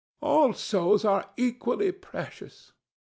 ANA. All souls are equally precious.